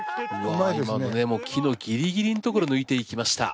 今のね木のギリギリん所抜いていきました。